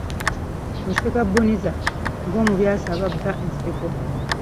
Oseka bbuniza, ng’omubi asaba bba enseko.